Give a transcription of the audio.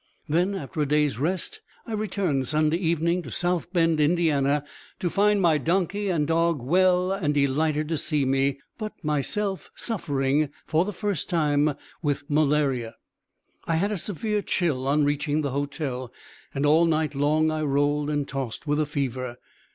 Then, after a day's rest, I returned Sunday evening to South Bend, Ind., to find my donkey and dog well and delighted to see me, but myself suffering, for the first, with malaria. I had a severe chill on reaching the hotel, and all night long I rolled and tossed with a fever.